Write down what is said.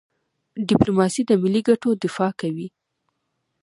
ډيپلوماسي د ملي ګټو دفاع کوي.